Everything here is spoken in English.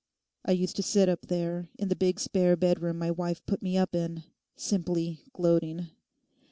I used to sit up there in the big spare bedroom my wife put me up in, simply gloating.